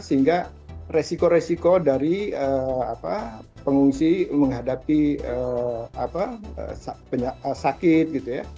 sehingga resiko resiko dari pengungsi menghadapi sakit gitu ya